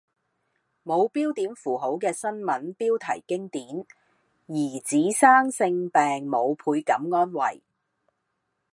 冇標點符號嘅新聞標題經典：兒子生性病母倍感安慰